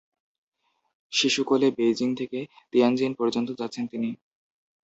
শিশু কোলে বেইজিং থেকে তিয়ানজিন পর্যন্ত যাচ্ছেন তিনি।